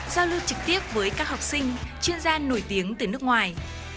giao lưu trực tiếp với các học sinh chuyên gia nổi tiếng từ nước ngoài